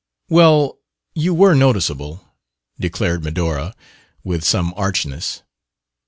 "Well, you were noticeable," declared Medora, with some archness.